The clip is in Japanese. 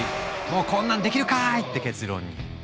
もうこんなんできるかい！って結論に。